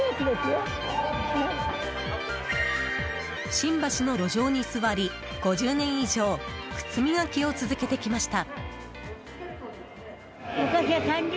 新橋の路上に座り５０年以上靴磨きを続けてきました。